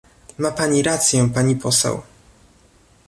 Ma pani rację, pani poseł